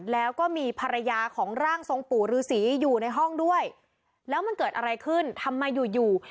แล้วก็มีภรรยาของร่างทรงปู่ฤษีอยู่ในห้องด้วยแล้วมันเกิดอะไรขึ้นทำไมอยู่อยู่